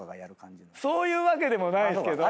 そういうわけでもないっすけど。